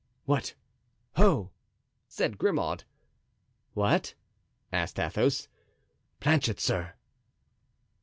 "What, ho!" said Grimaud. "What?" asked Athos. "Planchet, sir."